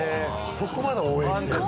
そこまで応援してるんですね。